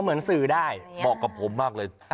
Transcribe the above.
เหมือนสื่อได้เหมาะกับผมมากเลย